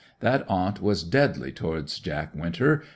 That aunt was deadly towards Jack Winter.